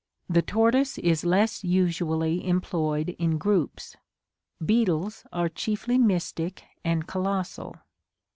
The tortoise is less usually employed in groups. Beetles are chiefly mystic and colossal.